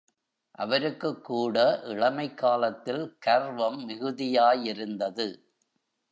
அவருக்குக்கூட இளமைக் காலத்தில் கர்வம் மிகுதியாயிருந்தது.